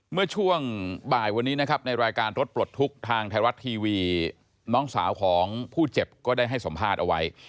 เมื่อช่วงบ่ายวันนี้นะครับในรายการรถปลดทุกข์ทางไทยรัฐทีวีน้องสาวของผู้เจ็บก็ได้ให้สัมภาษณ์เอาไว้